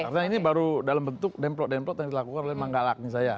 karena ini baru dalam bentuk demplok demplok yang dilakukan memang gak lak nih saya